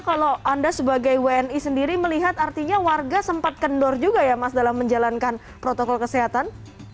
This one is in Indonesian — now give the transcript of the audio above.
kalau anda sebagai wni sendiri melihat artinya warga sempat kendor juga ya mas dalam menjalankan protokol kesehatan